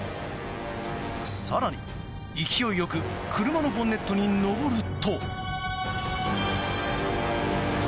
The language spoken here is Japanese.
更に、勢いよく車のボンネットに上ると。